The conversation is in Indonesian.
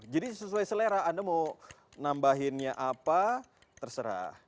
jadi sesuai selera anda mau nambahinnya apa terserah